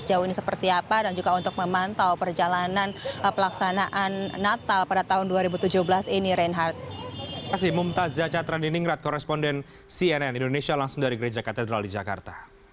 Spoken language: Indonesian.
sejauh ini seperti apa dan juga untuk memantau perjalanan pelaksanaan natal pada tahun dua ribu tujuh belas ini reinhardt